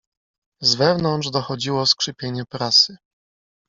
"Z wewnątrz dochodziło skrzypienie prasy."